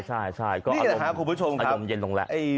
นี่นะคะคุณผู้ชมครับ